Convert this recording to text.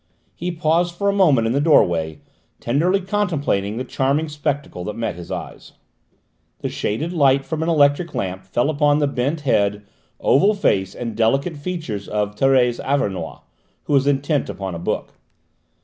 He paused for a moment in the doorway, tenderly contemplating the charming spectacle that met his eyes. The shaded light from an electric lamp fell upon the bent head, oval face and delicate features of Thérèse Auvernois, who was intent upon a book.